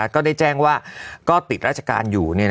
ก็ได้แจ้งว่าก็ติดราชการอยู่